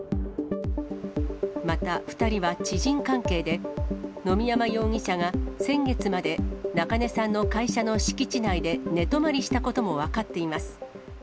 また２人は知人関係で、野見山容疑者が先月まで、中根さんの会社の敷地内で寝泊まりしたことも分かっています。